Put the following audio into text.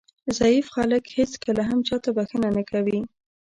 ضعیف خلک هېڅکله هم چاته بښنه نه کوي.